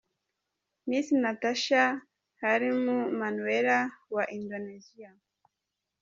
Miss Natasha Halim Mannuela wa Indonesia.